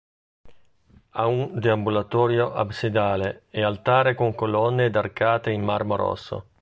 Ha un deambulatorio absidale e altare con colonne ed arcate in marmo rosso.